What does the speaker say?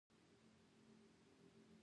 د عود لرګی د څه لپاره دود کړم؟